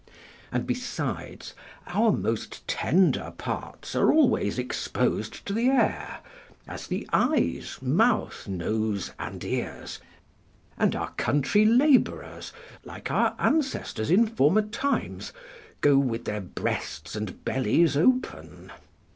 And besides, our most tender parts are always exposed to the air, as the eyes, mouth, nose, and ears; and our country labourers, like our ancestors in former times, go with their breasts and bellies open.